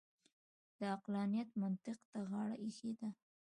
د عقلانیت منطق ته غاړه اېښې ده.